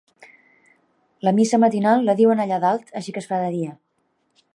La missa matinal la diuen allà dalt així que es fa de dia.